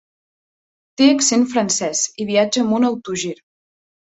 Té accent francès i viatja amb un autogir.